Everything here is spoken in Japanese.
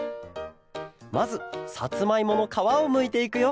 まずサツマイモのかわをむいていくよ